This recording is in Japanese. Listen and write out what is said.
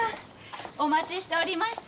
お待ちしておりました。